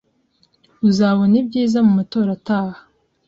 Uzabona ibyiza mu matora ataha.